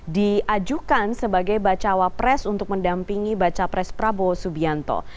diajukan sebagai bacawa pres untuk mendampingi baca pres prabowo subianto